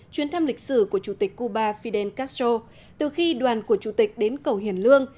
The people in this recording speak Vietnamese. chuyến thăm lịch sử của chủ tịch cuba fidel castro từ khi đoàn của chủ tịch đến cầu hiền lương